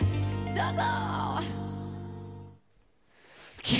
どうぞ！